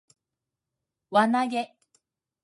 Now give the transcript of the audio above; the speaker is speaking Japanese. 輪投げ